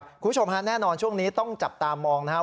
คุณผู้ชมฮะแน่นอนช่วงนี้ต้องจับตามองนะครับ